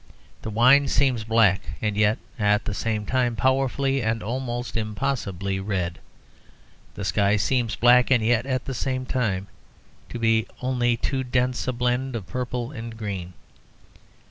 The wine seems black, and yet at the same time powerfully and almost impossibly red; the sky seems black, and yet at the same time to be only too dense a blend of purple and green.